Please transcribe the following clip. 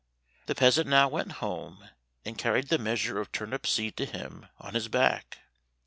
The peasant now went home, and carried the measure of turnip seed to him on his back.